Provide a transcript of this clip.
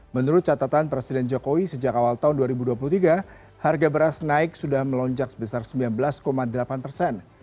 menurut catatan presiden jokowi sejak awal tahun dua ribu dua puluh tiga harga beras naik sudah melonjak sebesar sembilan belas delapan persen